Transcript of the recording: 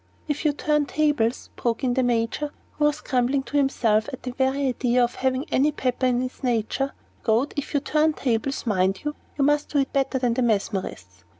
"If you turn tables," broke in the Major, who was grumbling to himself at the very idea of having any pepper in his nature "Goad, if you turn tables, mind you, you must do it better than the mesmerists.